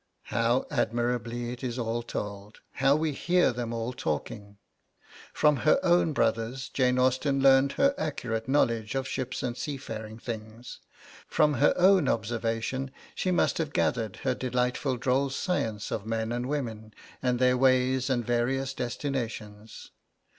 How admirably it is all told! how we hear them all talking! From her own brothers Jane Austen learned her accurate knowledge of ships and seafaring things, from her own observation she must have gathered her delightful droll science of men and women and their ways and various destinations.